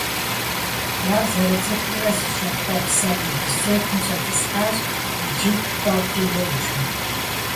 Ар зэрыцӀыкӀурэ зыщӀэхъуэпса университетым щӀэтӀысхьащ, иджы фӏэфӏу йоджэ.